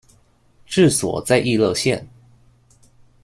治所在溢乐县。